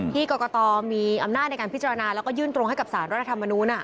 กรกตมีอำนาจในการพิจารณาแล้วก็ยื่นตรงให้กับสารรัฐธรรมนูล